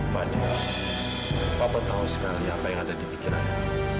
fadil papa tahu sekali apa yang ada di pikiranku